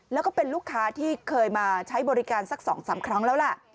แล้วก็เป็นลูกค้าที่เคยมาใช้บริการสัก๒๓ครั้งแล้วล่ะ